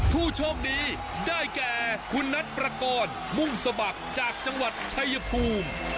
ผู้โชคดีได้แก่คุณนัทประกอบมุ่งสมัครจากจังหวัดชายภูมิ